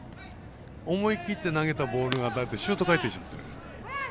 思い切って投げたボールがシュート回転しちゃってる。